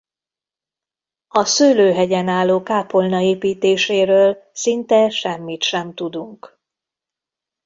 A szőlőhegyen álló kápolna építéséről szinte semmit sem tudunk.